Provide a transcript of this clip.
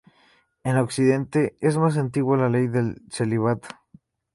En Occidente es más antigua la ley del celibato.